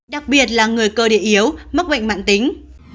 đặc biệt là người cơ địa yếu mắc bệnh mạng tính